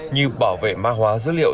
như bảo vệ mã hóa dữ liệu